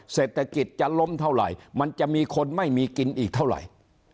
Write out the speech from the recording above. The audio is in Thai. เศรษฐกิจจะล้มเท่าไหร่มันจะมีคนไม่มีกินอีกเท่าไหร่